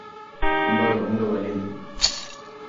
Un vagabundo valiente.